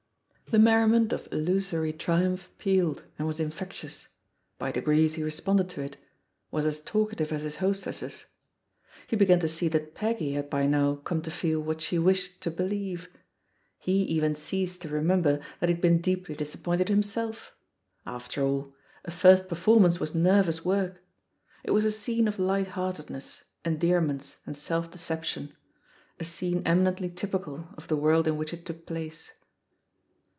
The merriment of illusory triumph pealed, and was infectious; by degrees he re sponded to it, was as talkative as his hostesses. He began to see that Peggy had by now come to feel what she wished to believe ; he even ceased to remember that he had been deeply disap pointed himself. After all, a first performance was nervous work I It was a scene of light heart edness, endearments, and self deception, a scene eminently typical of the world in which it took place.